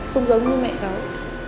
không giống như mẹ cháu